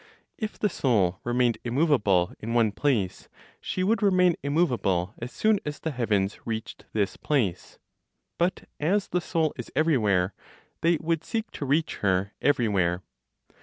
If the Soul remained immovable in one place, she would remain immovable as soon as the heavens reached this place; but as the Soul is everywhere, they would seek to reach her everywhere.